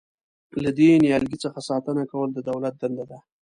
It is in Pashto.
له دې نیالګي څخه ساتنه کول د دولت دنده ده.